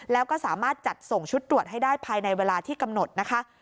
แล้วก็สามารถจัดส่งชุดตรวจให้ได้ภายในเวลาที่กำหนดนะคะ